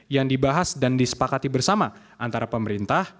yang dibahas dan disepakati bersama antara pemerintah